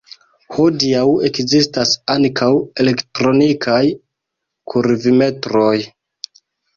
Hodiaŭ ekzistas ankaŭ elektronikaj kurvimetroj.